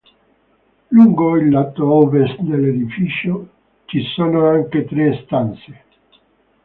Lungo il lato ovest dell'edificio ci sono anche tre stanze.